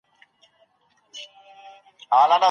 د صنايعو تنظيم څنګه کيده؟